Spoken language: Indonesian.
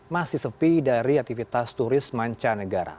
masih sepi dari aktivitas turis manca negara